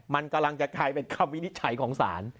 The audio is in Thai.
มันกำลังจะกลายเป็นคำวินิจฉัยของศาล